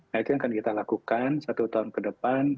nah itu yang akan kita lakukan satu tahun ke depan